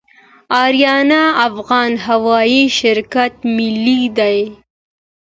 اریانا افغان هوایی شرکت ملي دی